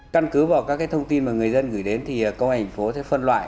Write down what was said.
căn cứ vào các thông tin mà người dân gửi đến thì công an tp sẽ phân loại